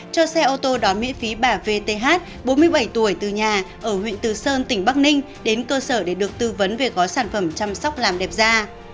cho xe ô tô đón miễn phí bà vth bốn mươi bảy tuổi từ nhà ở huyện từ sơn tỉnh bắc ninh đến cơ sở để được tư vấn về gói sản phẩm chăm sóc làm đẹp da